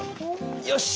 よし！